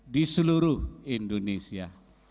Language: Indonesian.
di seluruh indonesia